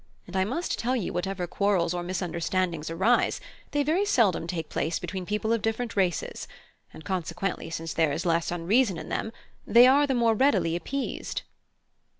And I must tell you whatever quarrels or misunderstandings arise, they very seldom take place between people of different race; and consequently since there is less unreason in them, they are the more readily appeased."